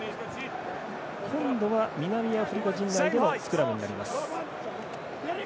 今度は南アフリカ陣内でのスクラムです。